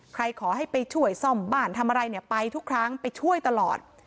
ขอให้ไปช่วยซ่อมบ้านทำอะไรเนี่ยไปทุกครั้งไปช่วยตลอด